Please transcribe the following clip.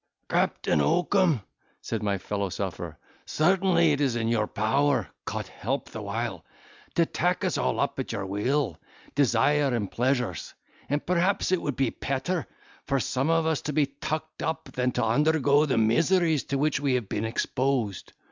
"Captain Oakum," said my fellow sufferer, "certainly it is in your power (Cot help the while) to tack us all up at your will, desire, and pleasures. And perhaps it would be petter for some of us to be tucked up than to undergo the miseries to which we have been exposed.